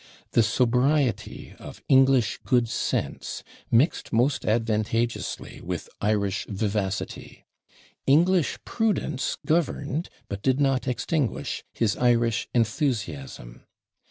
The sobriety of English good sense mixed most advantageously with Irish vivacity; English prudence governed, but did not extinguish his Irish enthusiasm.